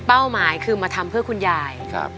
หมายคือมาทำเพื่อคุณยาย